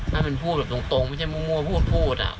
ให้มันพูดแบบตรงตรงไม่ใช่มั่งมั่วพูดพูดอ่ะ